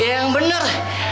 ah ya yang bener